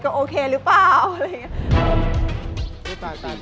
ก็โอเครึเปล่าอะไรอย่างเงี้ย